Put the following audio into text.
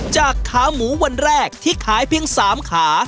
ขาหมูวันแรกที่ขายเพียง๓ขา